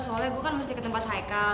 soalnya gue kan mesti ke tempat hikal